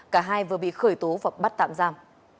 cả hai vừa bị khởi tố và bắt tạm giam